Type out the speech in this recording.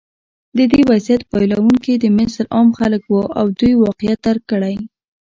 د دې وضعیت بایلونکي د مصر عام خلک وو او دوی واقعیت درک کړی.